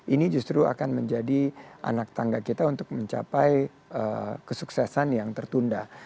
ini justru akan menjadi anak tangga kita untuk mencapai kesuksesan yang tertunda